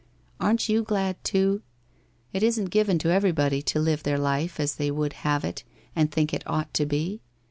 Aren't you glad too? It isn't given to every body to live their life as they would have it and think it ought to be.